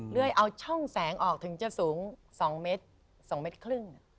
เรื่อยเอาช่องแสงออกถึงจะสูง๒เมตร๒๕เมตร